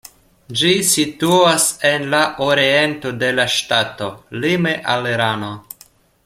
Ĝi situas en la oriento de la ŝtato, lime al Irano.